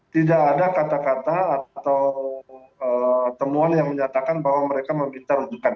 tidak ada kata kata atau temuan yang menyatakan bahwa mereka meminta rujukan